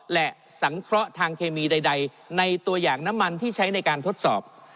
และสังเคราะห์ทางเคมีใดในตัวอย่างน้ำมันที่ใช้ในการทดสอบ